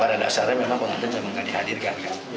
pada dasarnya memang pengantin memang tidak dihadirkan